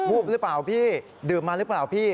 วูบหรือเปล่าพี่ดื่มมาหรือเปล่าพี่